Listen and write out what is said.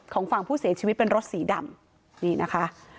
ฝั่งผู้เสียชีวิตเป็นรถสีดำนี่นะคะ